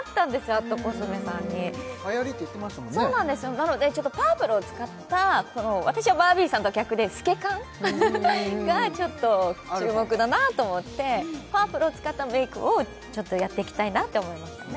なのでパープルを使った私はバービーさんとは逆で透け感が注目だなと思ってパープルを使ったメイクをちょっとやっていきたいなって思いましたね